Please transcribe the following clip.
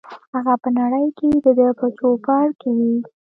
هغه په هغه نړۍ کې دده په چوپړ کې وي.